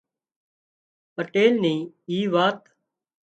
پٽيل نين اي وات